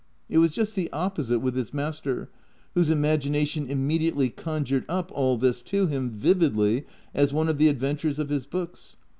It was just the opposite with his master, whose imag ination immediately conjured up all this to him vividly as one of the adventures of his books.